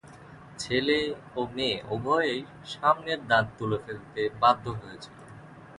ছেলে ও মেয়ে উভয়েই সামনের দাঁত তুলে ফেলতে বাধ্য হয়েছিল।